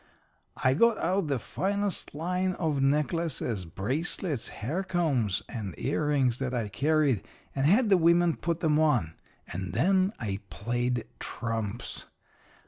"I got out the finest line of necklaces, bracelets, hair combs, and earrings that I carried, and had the women put 'em on. And then I played trumps.